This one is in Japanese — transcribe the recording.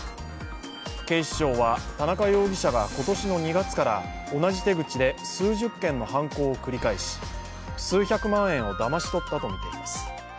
警視庁は田中容疑者が今年２月から同じ手口で数十件の犯行を繰り返し数百万円をだまし取ったとみています。